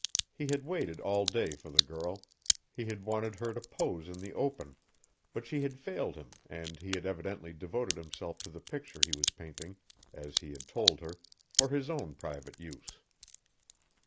He had waited all day for the girl; he had wanted her to pose in the open, but she had failed him and he had evidently devoted himself to the picture he was painting, as he had told her, for his own private use.